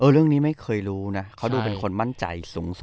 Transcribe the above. เรื่องนี้ไม่เคยรู้นะเขาดูเป็นคนมั่นใจสูงสุด